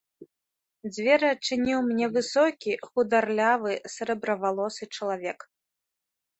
Дзверы адчыніў мне высокі хударлявы срэбравалосы чалавек.